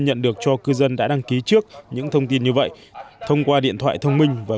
nhận được cho cư dân đã đăng ký trước những thông tin như vậy thông qua điện thoại thông minh và